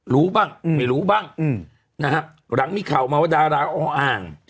รู้บ้างหรือไม่รู้บ้างนะครับหลังมีข่าวมาว่าดาราออ